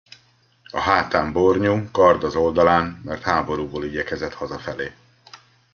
A hátán bornyú, kard az oldalán, mert háborúból igyekezett hazafelé.